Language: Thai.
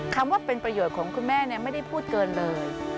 คำว่าเป็นประโยชน์ของคุณแม่ไม่ได้พูดเกินเลย